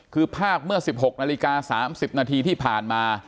คือภาพเมื่อ๑๖นาฬิกา๓๐นาทีที่ผ่านมา